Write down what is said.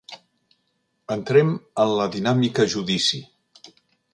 Entrem en la dinàmica judici.